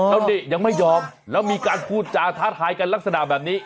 แล้วนี่ยังไม่ยอมแล้วมีการพูดจาท้าทายกันลักษณะแบบนี้